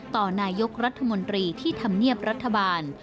ต่อนายกรัฐมนตรีที่ทำเนียบรัฐบาล